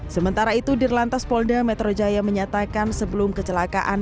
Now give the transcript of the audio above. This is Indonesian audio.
sementara itu dirlantas polda metro jaya menyatakan sebelum kecelakaan